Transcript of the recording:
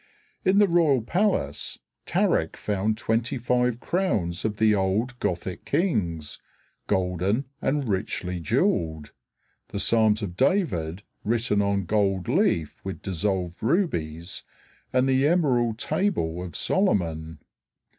In the royal palace Tarik found twenty five crowns of the old Gothic kings, golden and richly jeweled; the Psalms of David written on goldleaf with dissolved rubies, and the emerald table of Solomon.